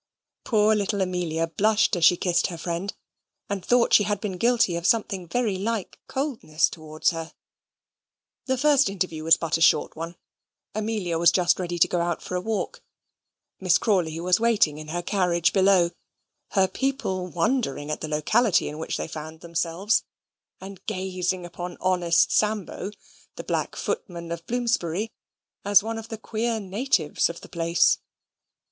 Poor little Amelia blushed as she kissed her friend, and thought she had been guilty of something very like coldness towards her. Their first interview was but a very short one. Amelia was just ready to go out for a walk. Miss Crawley was waiting in her carriage below, her people wondering at the locality in which they found themselves, and gazing upon honest Sambo, the black footman of Bloomsbury, as one of the queer natives of the place.